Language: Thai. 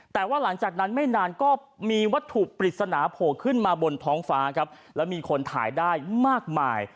แต่ว่าหลังจากนั้นไม่นานก็มีวัตถุปริศนาโผล่ขึ้นมาบนท้องฟ้าครับแล้วมีคนถ่ายได้มากมาย